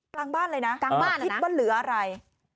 กลางบ้านเลยนะคิดว่าเหลืออะไร